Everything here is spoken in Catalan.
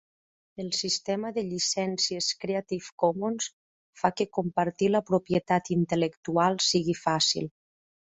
El sistema de llicències Creative Commons fa que compartir la propietat intel·lectual sigui fàcil.